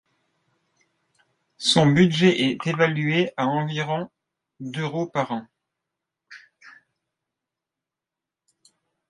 Son budget est évalué à environ d’euros par an.